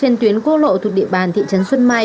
trên tuyến quốc lộ thuộc địa bàn thị trấn xuân mai